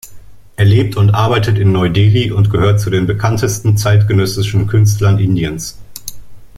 Er lebt und arbeitet in Neu-Delhi und gehört zu den bekanntesten zeitgenössischen Künstlern Indiens.